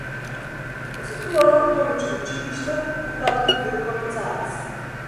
Посетувала католичко училиште, а татко и бил полицаец.